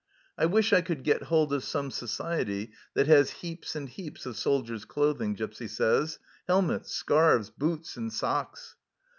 " I wish I could get hold of some society that has heaps and heaps of soldiers' clothing," Gipsy says. " Helmets, scarves, boots, and socks."